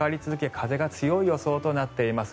風が強い予想となっています。